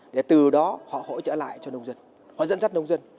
để từ đó họ hỗ trợ lại cho nông dân họ dẫn dắt nông dân